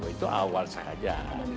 itu awal saja